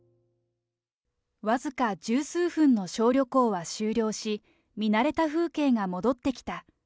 僅か十数分の小旅行は終了し、見慣れた風景が戻ってきた。